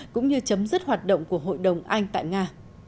cũng như chấm dứt hoạt động của hội đồng anh tại nga